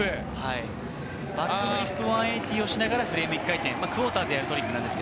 バックフリップ１８０しながらフレーム１回転、クォーターでやるトリックです。